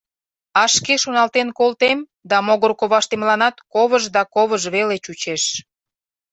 А шке шоналтен колтем да могыр коваштемланат ковыж да ковыж веле чучеш.